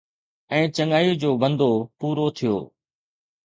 ۽ چڱائي جو بندو پورو ٿيو